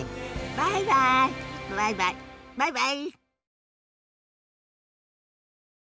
バイバイバイバイバイバイ。